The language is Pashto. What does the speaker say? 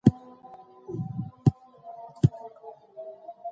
پرمختګ د بشپړتیا قانون تعقیبوي.